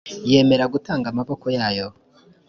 Yemera gutanga amaboko yayo